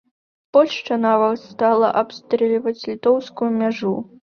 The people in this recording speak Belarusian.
Польшча нават стала абстрэльваць літоўскую мяжу.